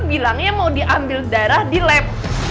bilangnya mau diambil darah di lab